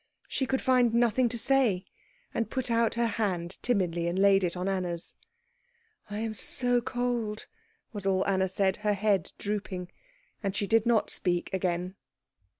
She could find nothing to say, and put out her hand timidly and laid it on Anna's. "I am so cold," was all Anna said, her head drooping; and she did not speak again.